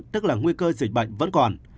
tức là nguy cơ dịch bệnh vẫn còn